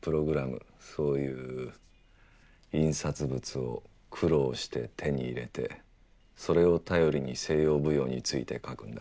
そういう印刷物を苦労して手に入れてそれを頼りに西洋舞踊について書くんだ。